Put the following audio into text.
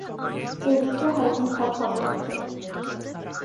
Էրիկը հայտնի թագավոր չէր։